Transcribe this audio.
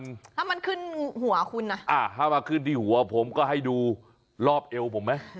ถ้ามันขึ้นหัวคุณอ่ะอ่าถ้ามาขึ้นที่หัวผมก็ให้ดูรอบเอวผมไหม